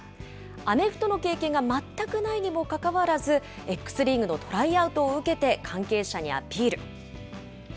アメフトの経験が全くないにもかかわらず、Ｘリーグのトライアウトを受けて関係者にアピール。